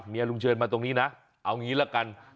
เมียลุงเชิญมาตรงนี้นะเอาอย่างงี้ล่ะกัน